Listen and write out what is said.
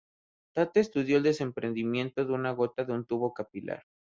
Tate estudió el desprendimiento de una gota de un tubo capilar.